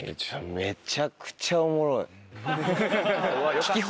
めちゃくちゃおもろい。